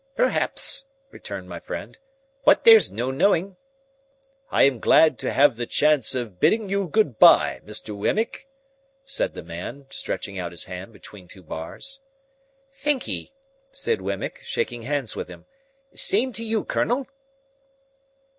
"Perhaps," returned my friend, "but there's no knowing." "I am glad to have the chance of bidding you good bye, Mr. Wemmick," said the man, stretching out his hand between two bars. "Thankye," said Wemmick, shaking hands with him. "Same to you, Colonel."